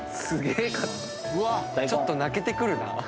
「ちょっと泣けてくるな」